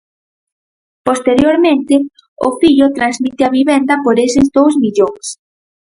Posteriormente, o fillo transmite a vivenda por eses dous millóns.